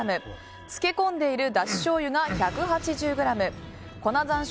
漬け込んでいるだししょうゆが１８０ｇ粉山椒